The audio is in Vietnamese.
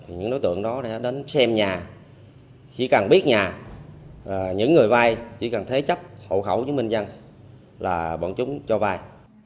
những đối tượng đó đến xem nhà chỉ cần biết nhà những người vai chỉ cần thấy chấp hậu khẩu chứng minh dân là bọn chúng cho vai